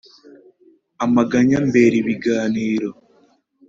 amaganya ambera ibiganiro,